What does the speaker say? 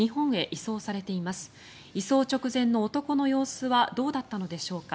移送直前の男の様子はどうだったのでしょうか。